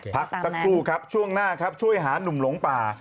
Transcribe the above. ตั้งปู่ครับช่วงหน้าครับช่วยหานุมหลงป่า